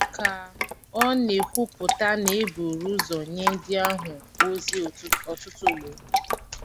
Ka ọ na-ekwupụta na e buru ụzọ nye ndị ahụ ozi ọtụtụ ugbòro